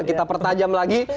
kita pertajam lagi